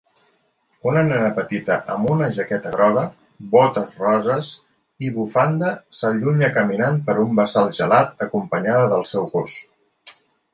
Una nena petita amb una jaqueta groga, botes roses i bufanda s'allunya caminant per un bassal gelat acompanyada del seu gos